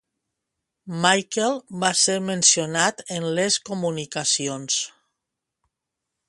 Michael va ser mencionat en les comunicacions.